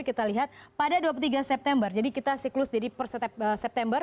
kita lihat pada dua puluh tiga september jadi kita siklus jadi per september